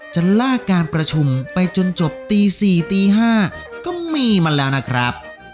จะลากการประชุมไปจนจบตี๔ตี๕ก็มีมาแล้วนะครับ